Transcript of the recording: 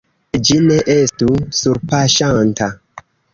Ĝi ne estu surpaŝanta.